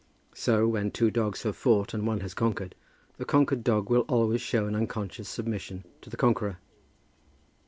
So, when two dogs have fought and one has conquered, the conquered dog will always show an unconscious submission to the conqueror.